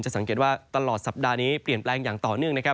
สังเกตว่าตลอดสัปดาห์นี้เปลี่ยนแปลงอย่างต่อเนื่องนะครับ